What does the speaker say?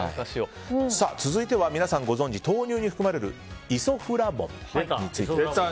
続いては、皆さんご存じ豆乳に含まれるイソフラボンについて。